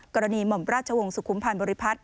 หม่อมราชวงศ์สุขุมพันธ์บริพัฒน